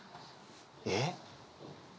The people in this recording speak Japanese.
えっ？